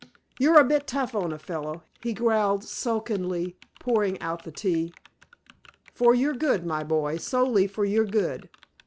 "You're a bit rough on a fellow," he growled sulkily, pouring out the tea. "For your good, my boy, solely for your good.